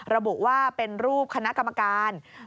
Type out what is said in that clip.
ระบุว่าเป็นรูปคณะกรรมการ